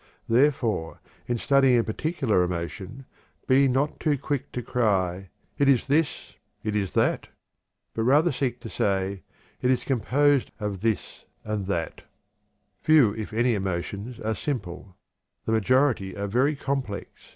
Therefore in studying a particular emotion, be not too quick to cry, "It is this; it is that!" but rather seek to say, "It is composed of this and that, of this and that!" Few, if any, emotions are simple; the majority are very complex.